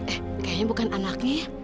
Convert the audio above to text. eh kayaknya bukan anaknya ya